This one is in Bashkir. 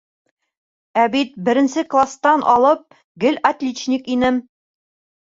Ә бит беренсе кластан алып гел отличник инем.